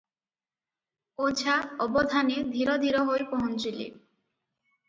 ଓଝା ଅବଧାନେ ଧୀର ଧୀର ହୋଇ ପହୁଞ୍ଚିଲେ ।